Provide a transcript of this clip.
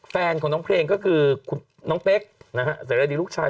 แฟนของน้องเพลงก็คือคุณน้องเป๊กนะฮะเสรดีลูกชาย